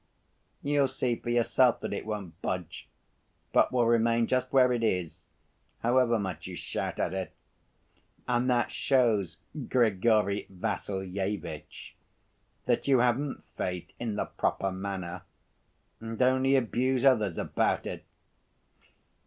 You'll see for yourself that it won't budge, but will remain just where it is however much you shout at it, and that shows, Grigory Vassilyevitch, that you haven't faith in the proper manner, and only abuse others about it.